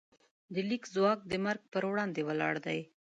د لیک ځواک د مرګ پر وړاندې ولاړ دی.